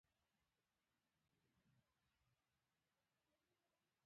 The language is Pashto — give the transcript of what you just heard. آیا پنځه هیوادونه ورسره شریک نه دي؟